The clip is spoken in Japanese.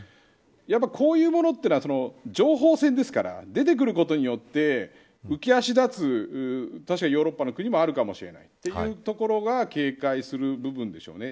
ただ、こういうものというのは情報戦ですから出てくることによって浮き足立つヨーロッパの国もあるかもしれないというところが警戒する部分でしょうね。